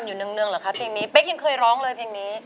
สวัสดีครับ